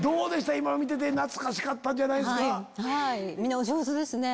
今の見てて懐かしかったんじゃないですか？